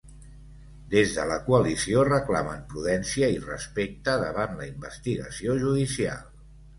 Des de la coalició reclamen prudència i respecte davant la investigació judicial.